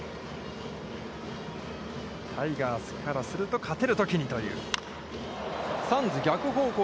タイガースからすると、勝つてるときにという。